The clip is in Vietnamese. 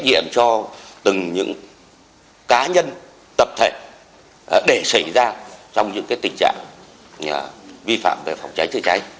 để cho từng những cá nhân tập thể để xảy ra trong những cái tình trạng vi phạm về phòng cháy chạy cháy